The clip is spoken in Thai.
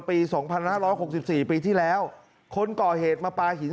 ปี๒๕๖๔ปีที่แล้วคนก่อเหตุมาปลาหิน